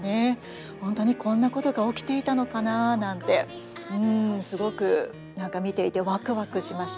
本当にこんなことが起きていたのかななんてすごく何か見ていてワクワクしました。